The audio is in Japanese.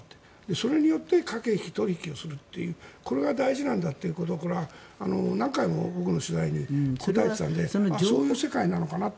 それによって駆け引き、取引をするというこれが大事なんだということをこれは何回も僕の取材に答えていたのでそういう世界なのかなと。